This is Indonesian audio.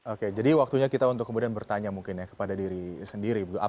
oke jadi waktunya kita untuk kemudian bertanya mungkin ya kepada diri sendiri